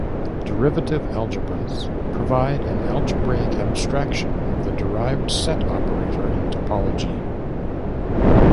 Derivative algebras provide an algebraic abstraction of the derived set operator in topology.